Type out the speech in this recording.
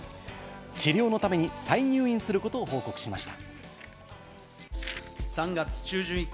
治療のために再入院することを報告しました。